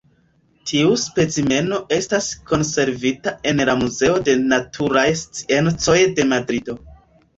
Tiu specimeno estas konservita en la Muzeo de Naturaj Sciencoj de Madrido.